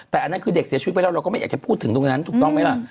แต่อันนั้นคือเด็กเสียชีวิตไปแล้วเราก็ไม่อยากจะพูดถึงตรงนั้นถูกต้องไหมล่ะ